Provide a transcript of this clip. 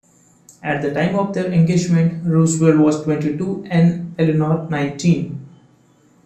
At the time of their engagement, Roosevelt was twenty-two and Eleanor nineteen.